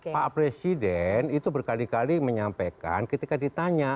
pak presiden itu berkali kali menyampaikan ketika ditanya